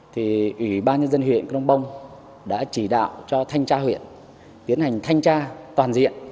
thì ủy ban nhân dân huyện crong bông đã chỉ đạo cho thanh tra huyện tiến hành thanh tra toàn diện